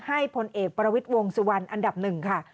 ให้ผลเอกประวิทวงศ์สุวรรณอันดับ๑ค่ะ